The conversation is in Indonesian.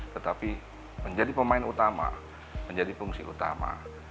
tetapi menjadi pemain utama menjadi fungsi utama